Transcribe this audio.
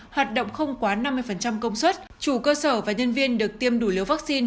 hoạt động không quá năm mươi công suất chủ cơ sở và nhân viên được tiêm đủ liều vaccine